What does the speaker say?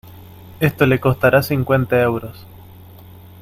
Esto le costará cincuenta euros.